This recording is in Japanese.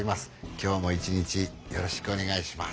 今日も一日よろしくお願いします。